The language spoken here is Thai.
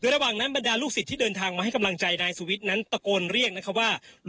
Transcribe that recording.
ระหว่างนั้นบรรดาลูกศิษย์ที่เดินทางมาให้กำลังใจนายสุวิทย์นั้นตะโกนเรียกนะครับว่า